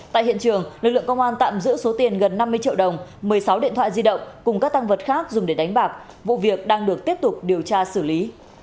tại hiện trường lực lượng công an tạm giữ số tiền gần năm mươi triệu đồng một mươi sáu điện thoại di động cùng các tăng vật khác dùng để đánh bạc vụ việc đang được tiếp tục điều tra xử lý